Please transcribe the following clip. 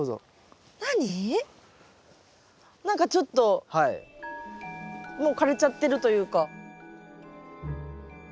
何かちょっともう枯れちゃってるというか。